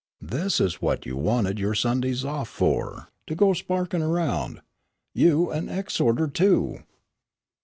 "This is what you wanted your Sundays off for, to go sparking around you an exhorter, too."